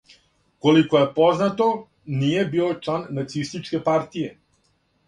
Колико је познато, није био члан нацистичке партије.